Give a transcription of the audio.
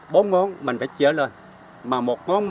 bốn ngón mình phải chia lên